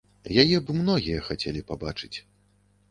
Яе б многія хацелі пабачыць.